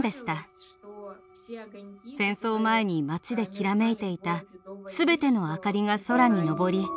戦争前に町できらめいていたすべての明かりが空に昇り